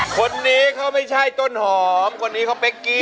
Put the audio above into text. คนนี้เขาไม่ใช่ต้นหอมคนนี้เขาเป๊กกี้